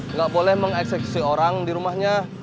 nggak boleh mengeksekusi orang di rumahnya